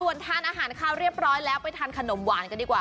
ส่วนทานอาหารคาวเรียบร้อยแล้วไปทานขนมหวานกันดีกว่า